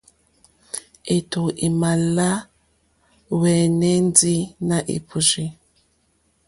Étò é mà lá hwɛ́nɛ́ ndí nà è pùrzí.